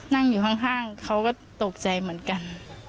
นั่งอยู่ข้างเขาก็ตกใจเหมือนกัน